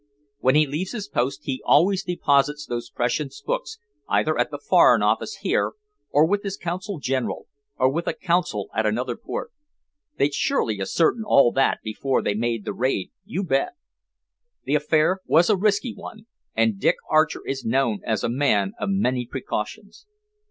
When he leaves his post he always deposits those precious books either at the Foreign Office here or with his Consul General, or with a Consul at another port. They'd surely ascertain all that before they made the raid, you bet. The affair was a risky one, and Dick Archer is known as a man of many precautions."